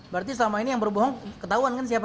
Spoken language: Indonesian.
berarti selama ini yang berbohong ketahuan kan siapa